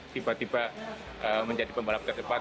tiba tiba menjadi pembalap terdepan